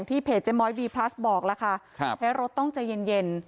เพจเจ๊ม้อยบีพลัสบอกล่ะค่ะใช้รถต้องใจเย็น